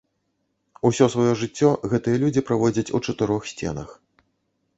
Усё сваё жыццё гэтыя людзі праводзяць у чатырох сценах.